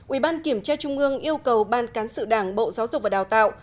ủy ban kiểm tra trung ương yêu cầu ban cán sự đảng bộ giáo dục và đào tạo